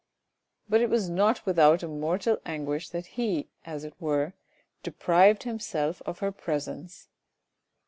But it was not without a mortal anguish that he, as it were, deprived himself of her presence.